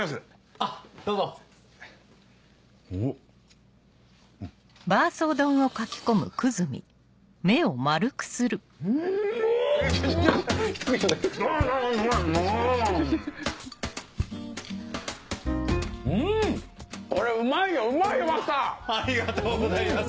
ありがとうございます。